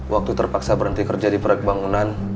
waktu terpaksa berhenti kerja di proyek bangunan